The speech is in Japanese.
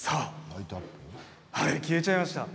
消えちゃいました。